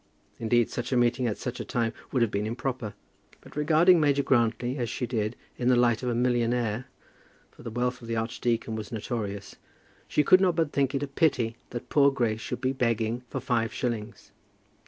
Indeed such a meeting at such a time would have been improper. But, regarding Major Grantly, as she did, in the light of a millionaire, for the wealth of the archdeacon was notorious, she could not but think it a pity that poor Grace should be begging for five shillings.